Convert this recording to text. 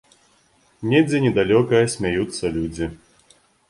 Недзе недалёка смяюцца людзі.